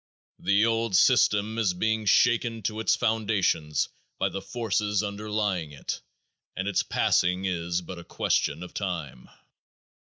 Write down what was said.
The old system is being shaken to its foundations by the forces underlying it and its passing is but a question of time.